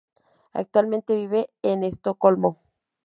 Actualmente vive en Estocolmo.